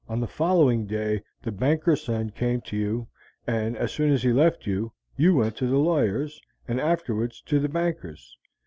On the following day the banker's son came to you, and as soon as he left you, you went to the lawyer's, and afterwards to the banker's.